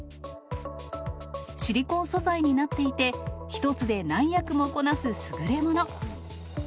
シリコン素材になっていて、一つで何役もこなす優れもの。